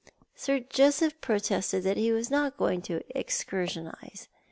Sir Joseph protested that he was not going to excursionise.